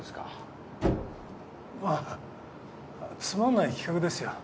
まあつまんない企画ですよ。